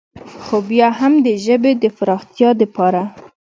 خو بيا هم د ژبې د فراختيا دپاره